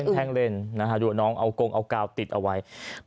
แท่งเล่นดูน้องเอากงเอากาวติดเอาไว้